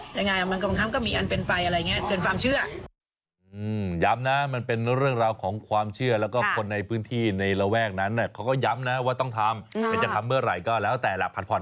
ยังไงมันก็บางครั้งก็มีอันเป็นไปอะไรอย่างนี้เกินความเชื่อ